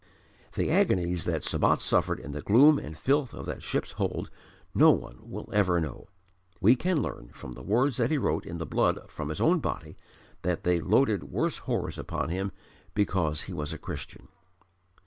The agonies that Sabat suffered in the gloom and filth of that ship's hold no one will ever know. We can learn from the words that he wrote in the blood from his own body that they loaded worse horrors upon him because he was a Christian.